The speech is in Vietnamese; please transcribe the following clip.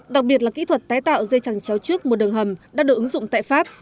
đặc biệt là kỹ thuật tái tạo dây chẳng chéo trước một đường hầm đã được ứng dụng tại pháp